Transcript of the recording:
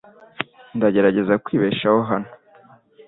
Ndagerageza kwibeshaho hano .